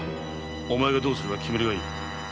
お前がどうするか決めるがいい。